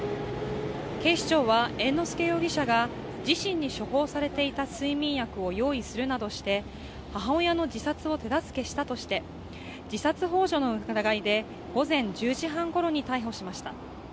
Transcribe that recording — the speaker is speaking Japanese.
警視庁は猿之助容疑者が自身に処方されていた睡眠薬を用意するなどして母親の自殺を手助けしたとして、自殺ほう助の疑いで午前１０時半ごろに逮捕しました。